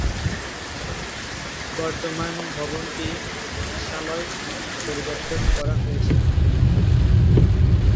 বর্তমান ভবনটি অতিথিশালায় পরিবর্তন করা হয়েছে।